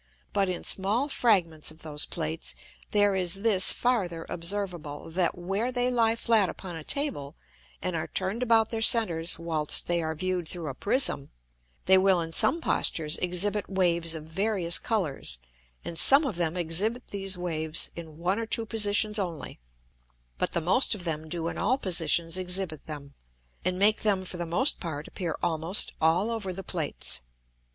But in small fragments of those Plates there is this farther observable, that where they lie flat upon a Table, and are turned about their centers whilst they are view'd through a Prism, they will in some postures exhibit Waves of various Colours; and some of them exhibit these Waves in one or two Positions only, but the most of them do in all Positions exhibit them, and make them for the most part appear almost all over the Plates.